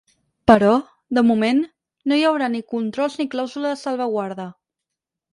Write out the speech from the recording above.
Però, de moment, no hi haurà ni controls ni clàusula de salvaguarda.